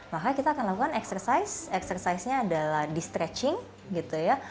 makanya kita akan lakukan exercise exercisenya adalah di stretching gitu ya